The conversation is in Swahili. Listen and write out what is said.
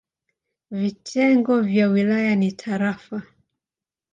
Vitengo vya wilaya ni tarafa.